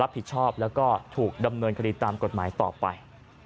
รับผิดชอบแล้วก็ถูกดำเนินคดีตามกฎหมายต่อไป